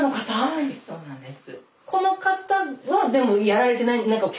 はいそうなんです。